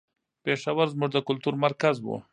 پېښور زموږ د کلتور مرکز و.